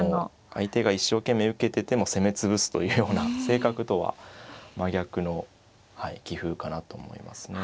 相手が一生懸命受けてても攻め潰すというような性格とは真逆の棋風かなと思いますね。